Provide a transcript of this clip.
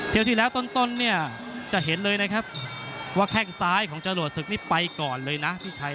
ที่แล้วต้นเนี่ยจะเห็นเลยนะครับว่าแข้งซ้ายของจรวดศึกนี่ไปก่อนเลยนะพี่ชัย